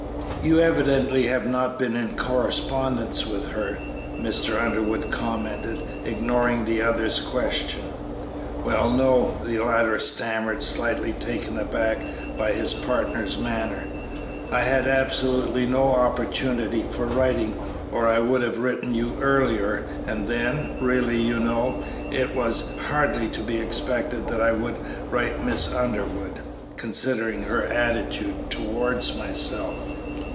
"You evidently have not been in correspondence with her," Mr. Underwood commented, ignoring the other's question. "Well, no," the latter stammered, slightly taken aback by his partner's manner; "I had absolutely no opportunity for writing, or I would have written you earlier, and then, really, you know, it was hardly to be expected that I would write Miss Underwood, considering her attitude towards myself.